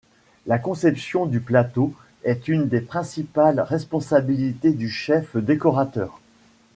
La conception du plateau est une des principales responsabilités du chef décorateur.